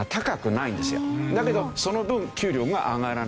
だけどその分給料が上がらない。